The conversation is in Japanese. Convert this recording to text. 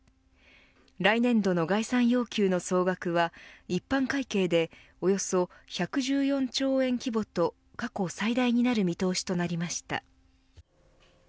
来年度の概算要求の総額は一般会計でおよそ１１４兆円規模と過去最大になる見通しとなりました。